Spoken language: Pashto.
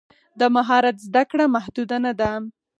د مهارت زده کړه محدود نه ده.